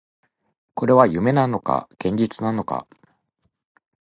これは夢なのか、現実なのか